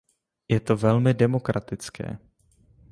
Je to velmi demokratické.